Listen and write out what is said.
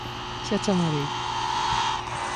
Xa chamarei.